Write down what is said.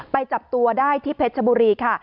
จับตัวได้ที่เพชรชบุรีค่ะ